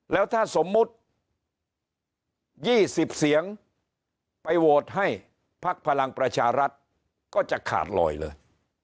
แล้วถ้าสมมุติ๒๐เสียงไปโหวตให้พักพลังประชารัฐก็จะขาดลอยเลย